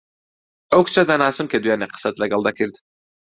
ئەو کچە دەناسم کە دوێنێ قسەت لەگەڵ دەکرد.